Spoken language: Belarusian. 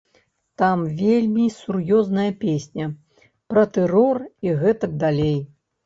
Там вельмі сур'ёзная песня, пра тэрор і гэтак далей.